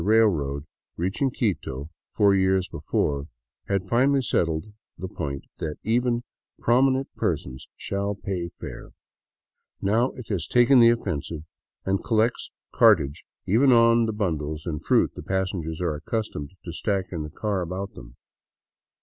railroad, reaching Quito four years before, had finally settled the point that even " prominent per sons " shall pay fare ; now it has taken the offensive, and collects cart age even on the bundles and fruit the passengers are accustomed to stack in the car about them.